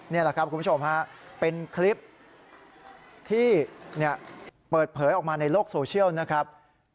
นี่แหละครับคุณผู้ชมฮะเป็นคลิปที่เปิดเผยออกมาในโลกโซเชียลนะครับ